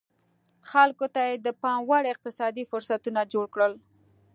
خلکو ته یې د پام وړ اقتصادي فرصتونه جوړ کړل